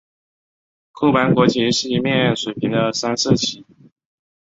库班国旗是一面水平的三色旗。